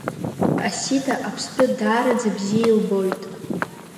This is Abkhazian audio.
Асида аԥстәы даараӡа бзиа илбоит.